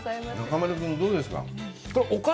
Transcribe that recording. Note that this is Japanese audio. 中丸君、どうですか。